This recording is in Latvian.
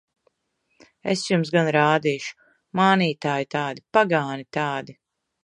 Es jums gan rādīšu! Mānītāji tādi! Pagāni tādi!